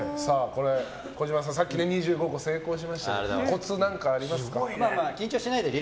児嶋さん、さっき２５個成功しましたがコツ、何かありますか。